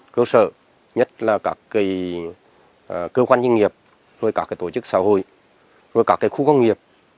cơ sở nhất là các cơ quan doanh nghiệp các tổ chức xã hội các khu công nghiệp